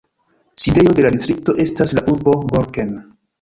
Sidejo de la distrikto estas la urbo Borken.